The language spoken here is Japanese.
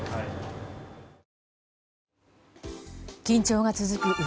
緊張が続く